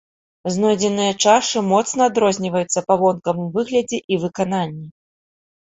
Знойдзеныя чашы моцна адрозніваюцца па вонкавым выглядзе і выкананні.